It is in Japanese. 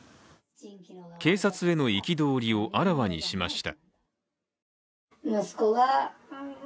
警察への憤りをあらわにしました。